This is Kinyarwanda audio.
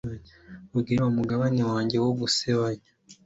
Kugira umugabane wanjye wo gusebanya